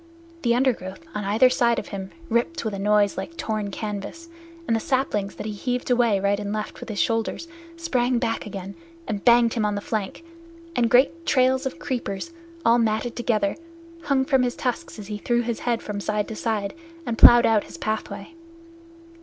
The undergrowth on either side of him ripped with a noise like torn canvas, and the saplings that he heaved away right and left with his shoulders sprang back again and banged him on the flank, and great trails of creepers, all matted together, hung from his tusks as he threw his head from side to side and plowed out his pathway.